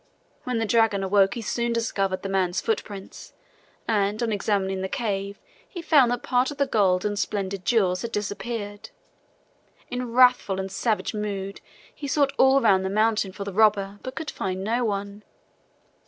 When the dragon awoke he soon discovered the man's footprints, and on examining the cave he found that part of the gold and splendid jewels had disappeared. In wrathful and savage mood he sought all round the mountain for the robber, but could find no one.